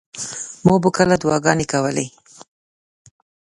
ما به کله دعاګانې کولې.